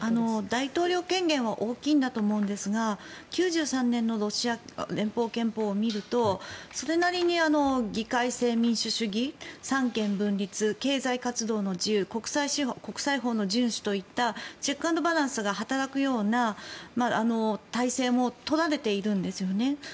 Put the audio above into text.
大統領権限は大きいんだと思うんですが９３年のロシア連邦憲法を見るとそれなりに議会制民主主義三権分立、経済活動の自由国際法の順守といったチェック・アンド・バランスが働くような体制も取られているんですよね。